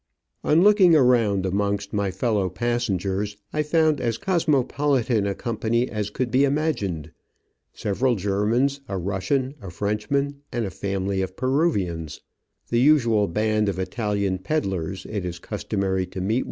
On looking around amongst my fellow passengers, I found as cosmopolitan a company as could be imagined — several Germans, a Russian, a Frenchman, and a family of Peruvians, The usual band of Italian pedlars it is customary to meet